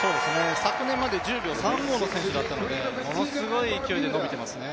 昨年まで１０秒３５の選手だったのでものすごい勢いで伸びていますね。